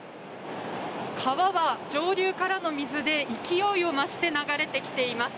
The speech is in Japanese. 川は上流の川の水で勢いを増して流れてきています。